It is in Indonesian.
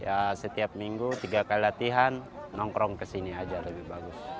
ya setiap minggu tiga kali latihan nongkrong ke sini saja lebih bagus